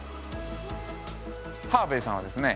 ハーヴェイさんはですね